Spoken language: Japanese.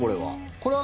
これは。